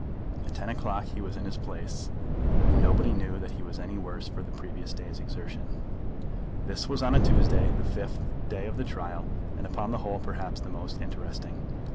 At ten o'clock he was in his place, and nobody knew that he was any the worse for the previous day's exertion. This was on a Tuesday, the fifth day of the trial, and upon the whole perhaps the most interesting.